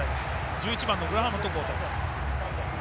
１１番のグラハムと交代です。